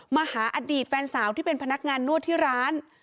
มาหาอดีตแฟนสาวที่เป็นพนักงานนวดที่ร้าน